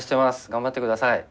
頑張って下さい。